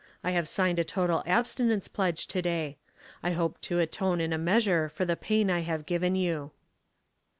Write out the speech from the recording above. I have signed a total abstinence pledge to day. I hope to atone in a measure for the pain I have given you."